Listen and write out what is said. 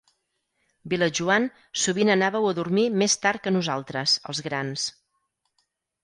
Vilajoan sovint anàveu a dormir més tard que nosaltres, els grans.